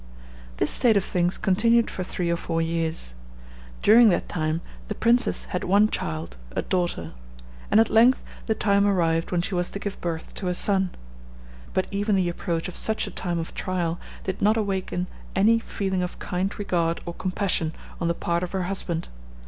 This state of things continued for three or four years. During that time the princess had one child, a daughter; and at length the time arrived when she was to give birth to a son; but even the approach of such a time of trial did not awaken any feeling of kind regard or compassion on the part of her husband.